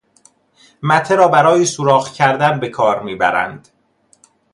مته را برای سوراخ کردن به کار میبرند.